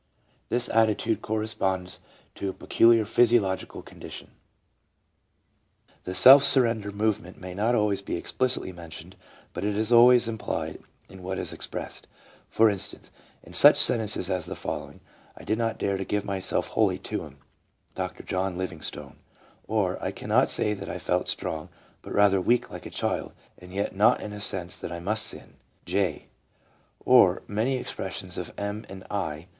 This attitude corresponds to a peculiar physiological condition. The self surrender movement may not be always explicitly mentioned, but it is always implied in what is expressed; for instance, in such sentences as the following: "I did not dare to give myself wholly to Him "— (Dr. John Living stone) ; or, " I cannot say that I felt strong, but rather weak like a child, and yet not in a sense that I must sin" — (t/.); or many expressions of M.&nd of I.